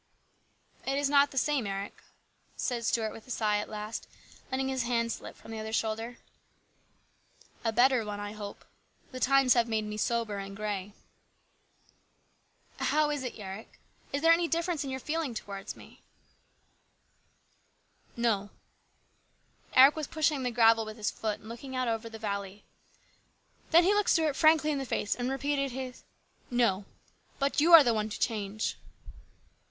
" It is not the same Eric," said Stuart with a sigh at last, letting his hand slip from the other's shoulder. " A better one, I hope. The times have made me sober and grey." " How is it, Eric ? Is there any difference in your feeling towards me ?" 80 HIS BROTHER'S KEEPER. " No." Eric was pushing the gravel with his foot and looking out over the valley. Then he looked Stuart frankly in the face and repeated his " No. But you are the one to change."